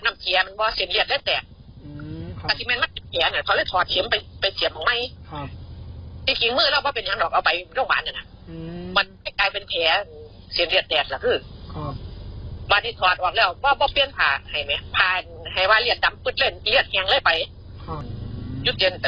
น่าจะเกี่ยวข้องกับโรคเบาหวานหรือเปล่าคะ